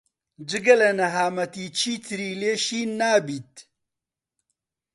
جگە لە نەهامەتی چیتری لێ شین نابیت.